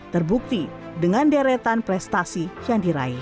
terbukti dengan deretan prestasi yang diraih